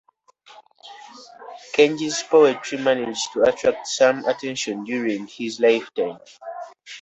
Kenji's poetry managed to attract some attention during his lifetime.